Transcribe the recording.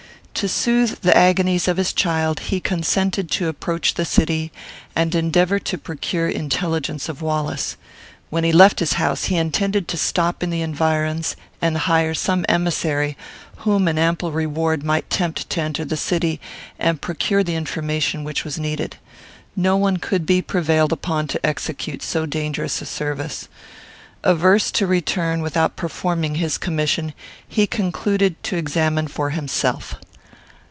To soothe the agonies of his child, he consented to approach the city, and endeavour to procure intelligence of Wallace. When he left his house, he intended to stop in the environs, and hire some emissary, whom an ample reward might tempt to enter the city, and procure the information which was needed. No one could be prevailed upon to execute so dangerous a service. Averse to return without performing his commission, he concluded to examine for himself.